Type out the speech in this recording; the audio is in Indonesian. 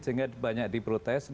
sehingga banyak diprotes